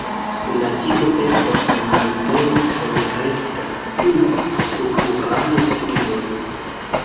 La tigo estas malmola kaj rekta kun purpuraj strioj.